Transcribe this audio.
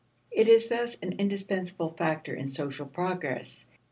It is, thus, an indispensable factor in social progress.